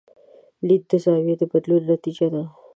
لید د زاویې د بدلون نتیجه ده.